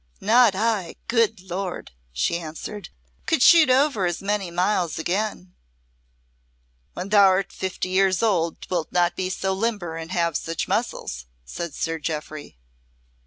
"Not I, good Lord!" she answered. "Could shoot over as many miles again." "When thou'rt fifty years old, wilt not be so limber and have such muscles," said Sir Jeoffry.